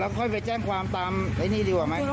ต้องขอร้อยเจอร้อยเวร